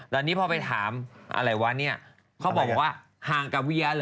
ตอนนี้พอไปถามอะไรวะเนี่ยเขาบอกว่าห่างกับเวียเหรอ